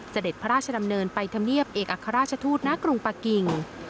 เสด็จพระราชดำเนินไปธรรมเนียบเอกอัครราชทูตณกรุงปะกิ่ง